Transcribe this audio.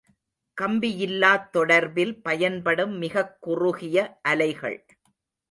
கம்பியிலாத் தொடர்பில் பயன்படும் மிகக் குறுகிய அலைகள்.